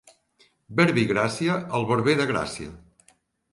Verbigràcia, el barber de Gràcia.